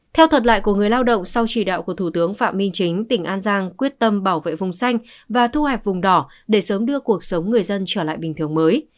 theo thuận lợi của người lao động sau chỉ đạo của thủ tướng phạm minh chính tỉnh an giang quyết tâm bảo vệ vùng xanh và thu hẹp vùng đỏ để sớm đưa cuộc sống người dân trở lại bình thường mới